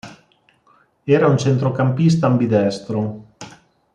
Era un centrocampista ambidestro.